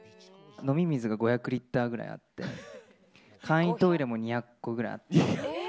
飲み水が５００リッターぐらいあって簡易トイレも２００個くらいあって。